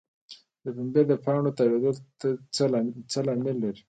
د پنبې د پاڼو تاویدل څه لامل لري؟